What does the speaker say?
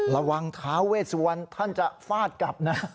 ระวังท้าเวสวันท่านจะฟาดกลับนะ